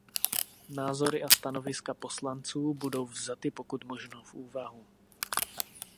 Názory a stanoviska poslanců budou vzaty pokud možno v úvahu.